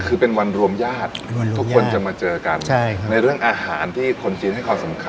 คือเป็นวันรวมญาติ